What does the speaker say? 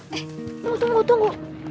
tunggu tunggu tunggu